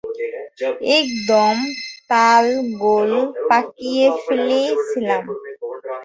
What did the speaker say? একদম তালগোল পাকিয়ে ফেলেছিলাম।